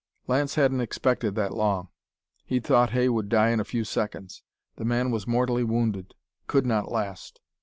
Lance hadn't expected that long. He'd thought Hay would die in a few seconds. The man was mortally wounded; could not last.